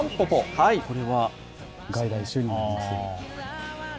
これは外来種になります。